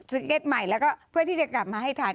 เก็ตใหม่แล้วก็เพื่อที่จะกลับมาให้ทัน